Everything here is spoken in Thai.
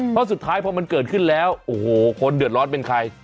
เพราะสุดท้ายพอมันเกิดขึ้นแล้วโอ้โหคนเดือดร้อนเป็นใคร